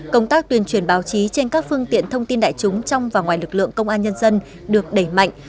công tác tuyên truyền báo chí trên các phương tiện thông tin đại chúng trong và ngoài lực lượng công an nhân dân được đẩy mạnh